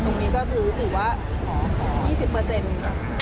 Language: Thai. ตรงนี้ก็คือหรือว่า๒๐